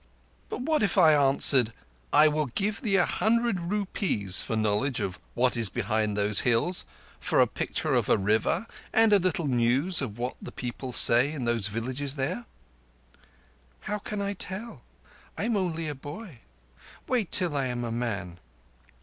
"But if I answered: 'I will give thee a hundred rupees for knowledge of what is behind those hills—for a picture of a river and a little news of what the people say in the villages there'?" "How can I tell? I am only a boy. Wait till I am a man."